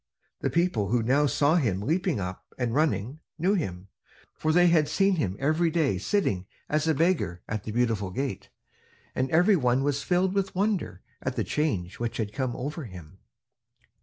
The people who now saw him leaping up and running knew him, for they had seen him every day sitting as a beggar at the Beautiful Gate: and every one was filled with wonder at the change which had come over him.